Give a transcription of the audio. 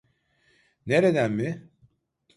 Nereden mi?